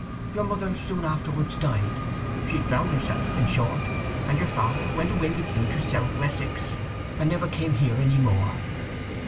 Your mother soon afterwards died—she drowned herself, in short, and your father went away with you to South Wessex, and never came here any more."